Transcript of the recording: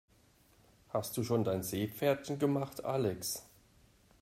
Hast du schon dein Seepferdchen gemacht, Alex?